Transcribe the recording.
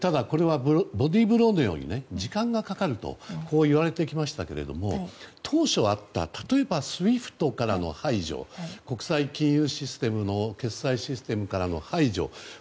ボディーブローのように時間がかかるといわれてきましたが当初あった例えばＳＷＩＦＴからの排除国際決済システムからの排除。